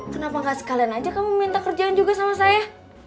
kenapa gak sekalian aja kamu minta kerjaan juga sama saya